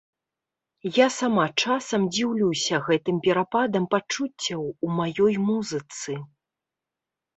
Я сама часам дзіўлюся гэтым перападам пачуццяў у маёй музыцы.